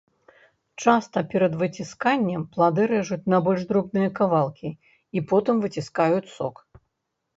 Часта, перад выцісканнем, плады рэжуць на больш дробныя кавалкі і потым выціскаюць сок.